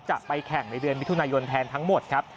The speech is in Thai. จะไปแข่งในเดือนมิถุนายนแทนทั้งหมดครับ